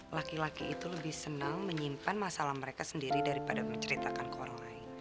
laki laki itu lebih senang menyimpan masalah mereka sendiri daripada menceritakan koronai